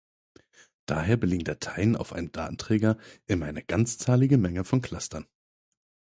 Daher belegen Dateien auf einem Datenträger immer eine ganzzahlige Menge von Clustern.